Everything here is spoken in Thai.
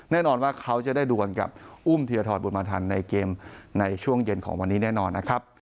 แน่นอนว่าเขาจะได้ดวนกับอุ้มธีรธรบุญมาทันในเกมในช่วงเย็นของวันนี้แน่นอนนะครับ